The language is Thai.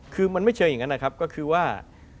คือมันไม่เชิงอย่างนั้นนะครับก็คือว่า